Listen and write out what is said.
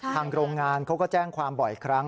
โรงงานเขาก็แจ้งความบ่อยครั้ง